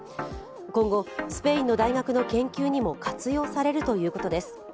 今後、スペインの大学の研究にも活用されるということです。